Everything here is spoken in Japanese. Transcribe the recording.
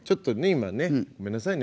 今ねごめんなさいね。